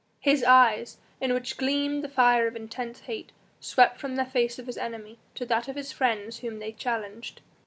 His eyes, in which gleamed the fire of intense hate, swept from the face of his enemy to that of his friends whom they challenged.